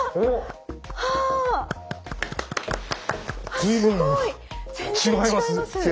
随分違います！